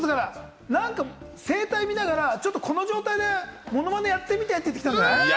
声帯見ながらこの状態で、ものまでやってみてって言ったんじゃない？